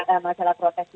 teman teman yang bekerja